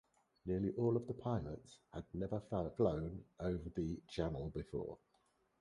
Nearly all of the pilots had never flown over the Channel before.